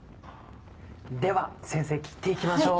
では先生切っていきましょう。